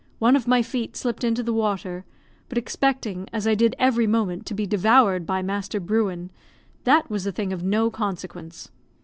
One of my feet slipped into the water, but, expecting, as I did every moment, to be devoured by master Bruin, that was a thing of no consequence.